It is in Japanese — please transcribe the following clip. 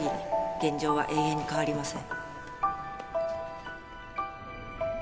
現状は永遠に変わりません